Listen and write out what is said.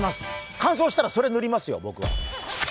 乾燥したらそれ塗りますよ、僕は。